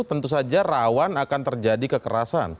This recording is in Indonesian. tentu saja rawan akan terjadi kekerasan